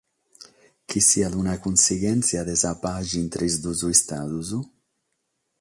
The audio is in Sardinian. Chi siat una cunsighèntzia de sa paghe intre is duos istados?